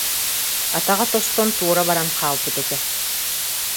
атаҕа тостон туора баран хаалбыт этэ